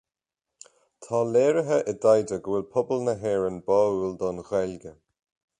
Tá léirithe i dtaighde go bhfuil pobal na hÉireann báúil don Ghaeilge